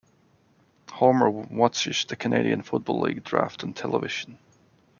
Homer watches the Canadian Football League Draft on television.